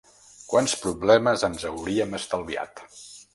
Quants problemes ens hauríem estalviat.